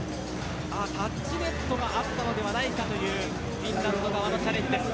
タッチネットがあったのではないかというフィンランド側のチャレンジです。